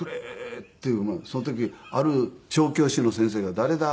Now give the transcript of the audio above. その時ある調教師の先生が「誰だ？